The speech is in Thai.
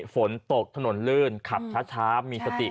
ฝนตกถนนลื่นขับช้ามีสติ